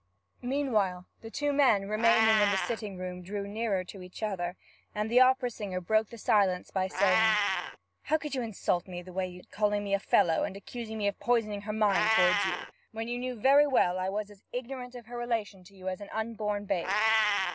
Meanwhile the two men remaining in the sitting room drew nearer to each other, and the opera singer broke the silence by saying, 'How could you insult me in the way you did, calling me a fellow, and accusing me of poisoning her mind toward you, when you knew very well I was as ignorant of your relation to her as an unborn babe?'